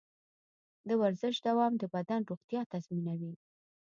د ورزش دوام د بدن روغتیا تضمینوي.